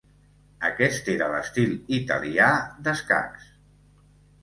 Aquest era l'estil italià d'escacs.